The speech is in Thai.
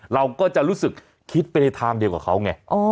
เราก็จะรู้สึกคิดไปในทางเดียวกับเขาไง